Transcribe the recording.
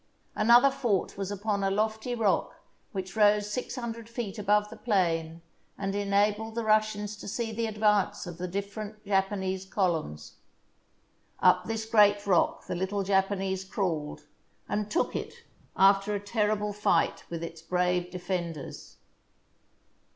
Another fort was upon a lofty rock which rose six hundred feet above the plain and enabled the Russians to see the advance of the different Japa nese columns. Up this great rock the little Japanese crawled, and took it, after a terrible fight with its brave defenders.